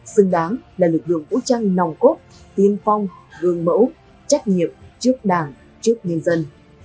xứng đáng là lực lượng vũ trang nòng cốt tiên phong gương mẫu trách nhiệm trước đảng trước nhân dân